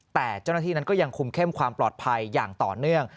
แต่เจ้าหน้าที่นั้นก็ยังคุมเข้มความปลอดภัยอย่างต่อเนื่อง